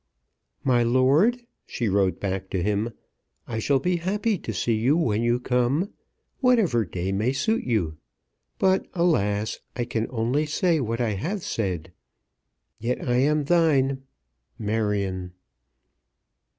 "MY LORD," she wrote back to him, "I shall be happy to see you when you come, whatever day may suit you. But, alas! I can only say what I have said. Yet I am thine, MARION."